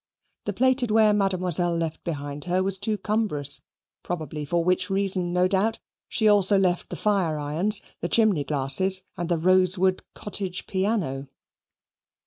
The plated ware Mademoiselle left behind her was too cumbrous, probably for which reason, no doubt, she also left the fire irons, the chimney glasses, and the rosewood cottage piano.